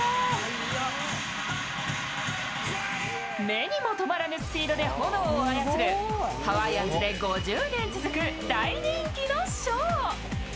目にも留まらぬスピードで炎くを操るハワイアンズで５０年続く大人気のショー。